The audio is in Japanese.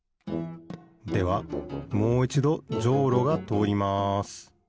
ではもういちどジョウロがとおります